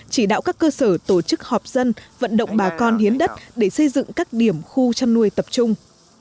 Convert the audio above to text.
chỉ đạo các cơ sở tổ chức họp dân vận động bà con hiến đất để xây dựng các điểm khu chăn nuôi tập trung